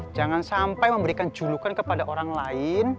jangan sampai memberikan julukan kepada orang lain